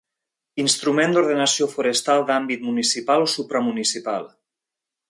Instrument d'ordenació forestal d'àmbit municipal o supramunicipal.